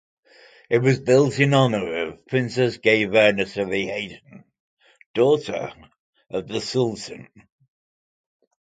It was built in honor of Princess Gevher Nesibe Hatun, daughter of the Sultan.